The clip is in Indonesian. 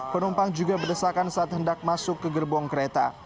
penumpang juga berdesakan saat hendak masuk ke gerbong kereta